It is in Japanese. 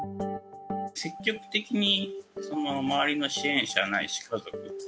積極的に周りの支援者や家族が